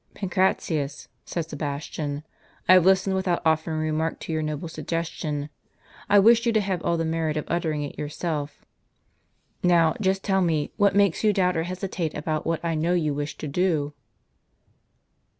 " "Pancratius," said Sebastian, "I have listened without offering a remark to your noble suggestion. I wished you to have all the merit of uttering it yourself. Now, just tell me, what makes you doubt or hesitate about what I know you wish to do?"